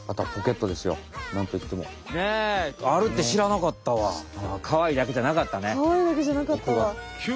かわいいだけじゃなかったね。